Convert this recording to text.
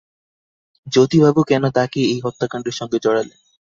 জ্যোতিবাবু কেন তাঁকে এই হত্যাকাণ্ডের সঙ্গে জড়ালেন?